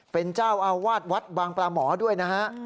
เป็นเจ้าอาวาสวัดบางปลาหมอด้วยนะฮะ